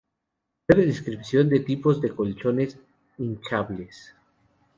Breve descripción de tipos de colchones hinchables.